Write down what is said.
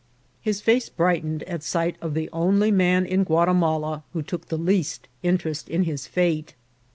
His face brightened at sight of the only man in Guatimala who took the le'ast interest in his fate.